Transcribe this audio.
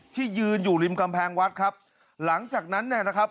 ที่ยืนอยู่ริมกำแพงวัดครับหลังจากนั้นเนี่ยนะครับ